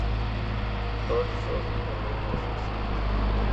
تاج شاهی به داریوش رسید.